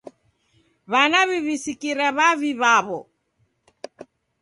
W'ana w'iw'isikire w'avi w'aw'o.